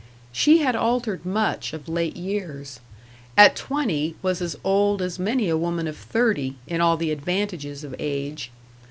She had altered much of late years: at twenty was as old as many a woman of thirty in all the advantages of age.